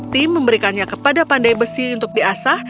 tim memberikannya kepada pandai besi untuk diasah